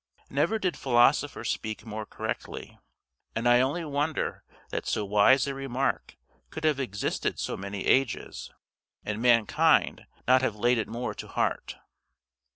Never did philosopher speak more correctly, and I only wonder that so wise a remark could have existed so many ages, and mankind not have laid it more to heart.